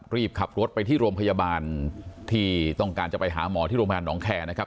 รีบขับรถไปที่โรงพยาบาลที่ต้องการจะไปหาหมอที่โรงพยาบาลหนองแคร์นะครับ